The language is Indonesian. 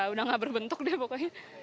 udah gak berbentuk deh pokoknya